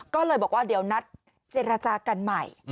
ก็เลยบอกว่าเดี๋ยวนัดเจรจากันใหม่